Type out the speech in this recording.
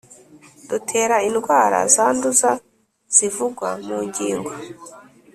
Dutera indwara zanduza zivugwa mu ngingo